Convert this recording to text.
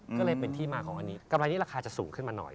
ก็เลยเป็นที่มาของอันนี้กำไรนี้ราคาจะสูงขึ้นมาหน่อย